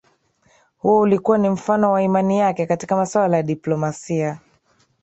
Huo ulikuwa ni mfano wa imani yake katika masuala ya diplomasia